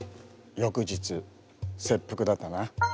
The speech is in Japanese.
翌日切腹だったな。